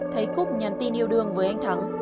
thấy cúc nhắn tin yêu đương với anh thắng